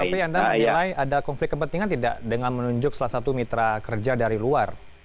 tapi anda menilai ada konflik kepentingan tidak dengan menunjuk salah satu mitra kerja dari luar